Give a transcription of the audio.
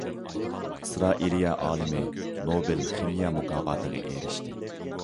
ئىسرائىلىيە ئالىمى نوبېل خىمىيە مۇكاپاتىغا ئېرىشتى.